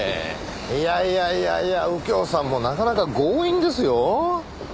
いやいやいやいや右京さんもなかなか強引ですよ。